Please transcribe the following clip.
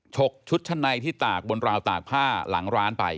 กชุดชั้นในที่ตากบนราวตากผ้าหลังร้านไป